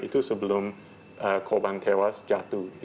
itu sebelum korban tewas jatuh